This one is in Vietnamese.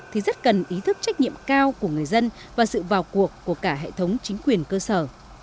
thì rất cần ý thức trách nhiệm cao của người dân và sự vào cuộc của cả hệ thống chính quyền cơ sở